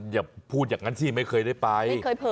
อย่าพูดอย่างนั้นสิไม่เคยได้ไป